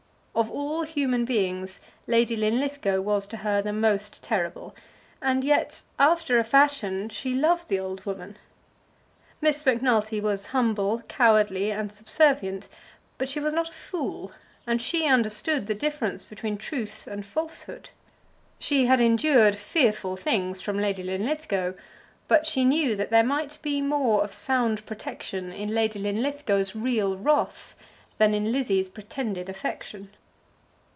Of all human beings Lady Linlithgow was to her the most terrible, and yet, after a fashion, she loved the old woman. Miss Macnulty was humble, cowardly, and subservient; but she was not a fool, and she understood the difference between truth and falsehood. She had endured fearful things from Lady Linlithgow; but she knew that there might be more of sound protection in Lady Linlithgow's real wrath than in Lizzie's pretended affection.